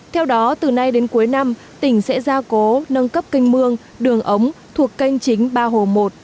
theo đó từ nay đến cuối năm tỉnh sẽ ra cố nâng cấp canh mương đường ống thuộc kênh chính ba hồ một